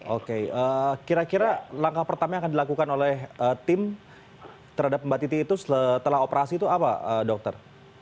oke kira kira langkah pertama yang akan dilakukan oleh tim terhadap mbak titi itu setelah operasi itu apa dokter